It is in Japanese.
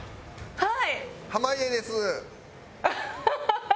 はい。